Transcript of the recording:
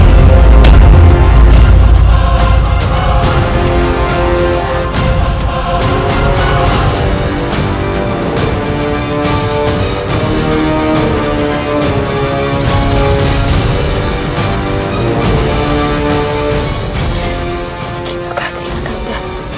dinda akan menjalani hukuman bersamanya